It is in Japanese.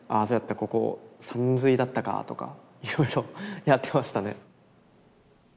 ここさんずいだったか」とかいろいろやってましたね。